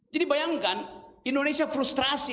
jadi bayangkan indonesia frustrasi